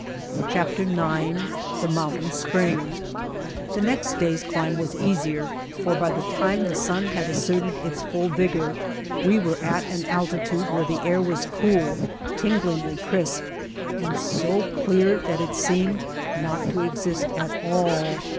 IX The Mountain Spring THE next day's climb was easier, for by the time the sun had asserted its full vigor we were at an altitude where the air was cool, tinglingly crisp, and so clear that it seemed not to exist at all.